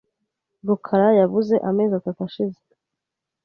rukara yabuze amezi atatu ashize .